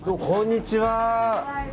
こんにちは。